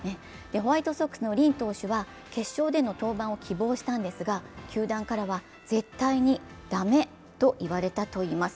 ホワイトソックスのリン投手は決勝での登板を希望したんですが球団からは絶対に駄目と言われたといいます。